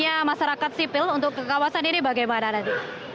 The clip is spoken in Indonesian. artinya masyarakat sipil untuk ke kawasan ini bagaimana nanti